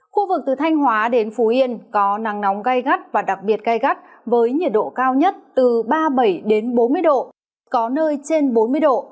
khu vực từ thanh hóa đến phú yên có nắng nóng gai gắt và đặc biệt gai gắt với nhiệt độ cao nhất từ ba mươi bảy bốn mươi độ có nơi trên bốn mươi độ